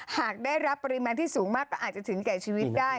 หากได้รับปริมาณที่สูงมากก็อาจจะถึงแก่ชีวิตได้